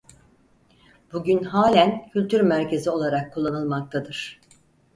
Bugün halen kültür merkezi olarak kullanılmaktadır.